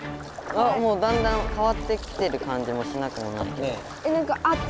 あっもうだんだんかわってきてる感じもしなくもないけど。